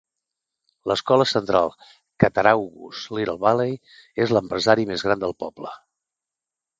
L'escola central Cattaraugus-Little Valley és l'empresari més gran del poble.